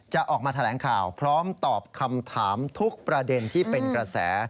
จะออกมาแถลงข่าวพร้อมตอบคำถามทุกประเด็นที่เป็นกระแส